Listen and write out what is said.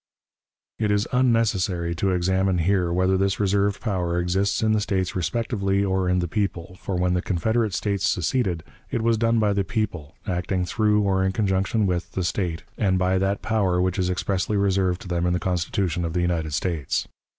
It is unnecessary to examine here whether this reserved power exists in the States respectively or in the people; for, when the Confederate States seceded, it was done by the people, acting through, or in conjunction with, the State, and by that power which is expressly reserved to them in the Constitution of the United States.